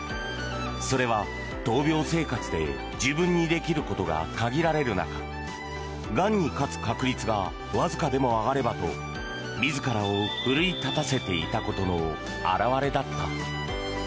それは闘病生活で自分にできることが限られる中がんに勝つ確率がわずかでも上がればと自らを奮い立たせていたことの表れだった。